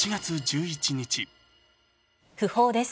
訃報です